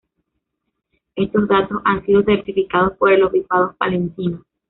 Estos datos han sido certificados por el Obispado Palentino.